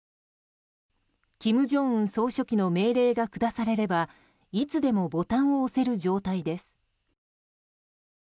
金正恩総書記の命令が下されればいつでもボタンを押せる状態です。